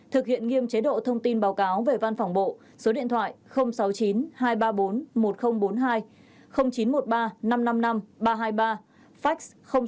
thực hiện nghiêm chế độ thông tin báo cáo về văn phòng bộ số điện thoại sáu mươi chín hai trăm ba mươi bốn một nghìn bốn mươi hai chín trăm một mươi ba năm trăm năm mươi năm ba trăm hai mươi ba fax sáu mươi chín hai trăm ba mươi bốn một nghìn bốn mươi bốn